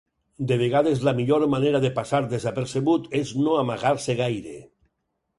De vegades la millor manera de passar desapercebut és no amagar-se gaire.